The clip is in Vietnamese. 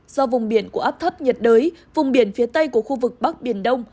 do vùng biển của áp thấp nhiệt đới vùng biển phía tây của khu vực bắc biển đông